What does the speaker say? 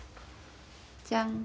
じゃん！